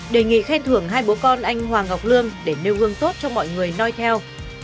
đề nghị khen thưởng hai bố con anh hoàng ngọc lương để nêu gương tốt cho mọi người nói theo